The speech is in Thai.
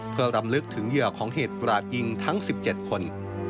เพื่อรำลึกถึงเหยื่อของเหตุกราดยิงทั้ง๑๗คน